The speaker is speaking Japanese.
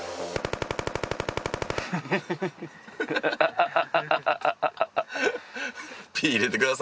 ハハハハ。